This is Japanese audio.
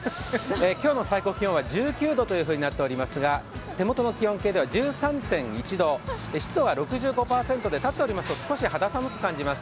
今日の最高気温は１９度となっておりますが、手元の気温系では１３．１度、湿度は６５％で、立っておりますと少し肌寒く感じます。